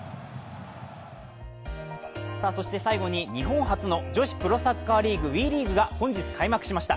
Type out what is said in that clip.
最後に日本初の女子プロサッカーリーグ、ＷＥリーグが本日開幕しました。